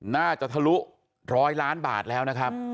น่าจะทะลุร้อยล้านบาทแล้วนะครับ